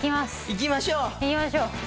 いきましょう。